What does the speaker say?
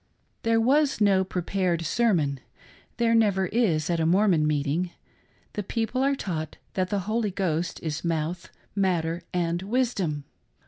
There was no prepared sermon. There never is at a Mor mon meeting. The people are taught that the Holy Ghost is " mouth, matter, and wisdom."